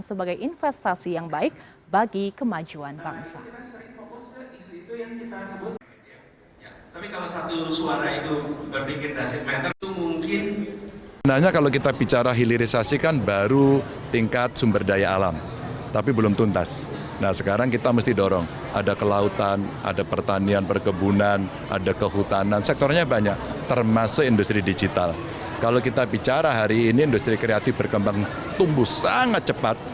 sebagai investasi yang baik bagi kemajuan bangsa